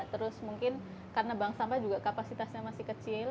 terus mungkin karena bank sampah juga kapasitasnya masih kecil